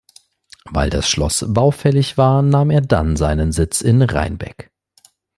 Weil das Schloss baufällig war, nahm er dann seinen Sitz in Reinbek.